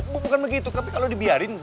bukan begitu tapi kalau dibiarin